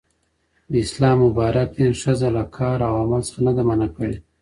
د اسلام مبارک دين ښځه له کار او عمل څخه نده منع کړې.